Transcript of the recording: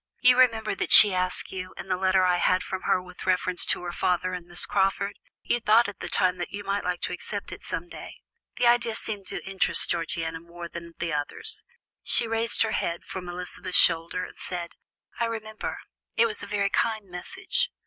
You remember that she asked you, in the letter I had from her with reference to her father and Miss Crawford. You thought at the time that you might like to accept it some day." The idea seemed to interest Georgiana more than the others. She raised her head from Elizabeth's shoulder, and said: "I remember; it was a very kind message.